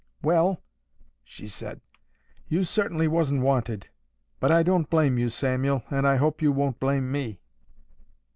'Well,' she said, 'you certainly wasn't wanted. But I don't blame you, Samuel, and I hope you won't blame me.